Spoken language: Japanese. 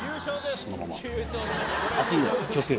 そのまま。